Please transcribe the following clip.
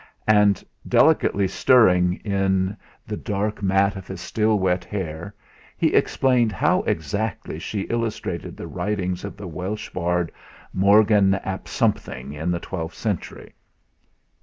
And, delicately stirring in the dark mat of his still wet hair, he explained how exactly she illustrated the writings of the Welsh bard Morgan ap Something in the twelfth century.